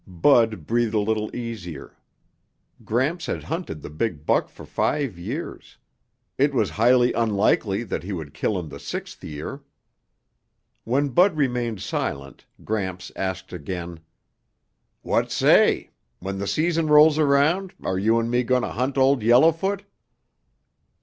Bud breathed a little easier. Gramps had hunted the big buck for five years; it was highly unlikely that he would kill him the sixth year. When Bud remained silent, Gramps asked again, "What say? When the season rolls round, are you and me going to hunt Old Yellowfoot?"